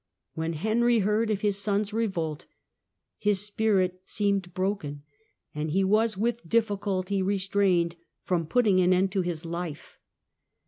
When Henry heard of his son's revolt his spirit seemed broken, and he was with difficulty restrained from putting an end to his life.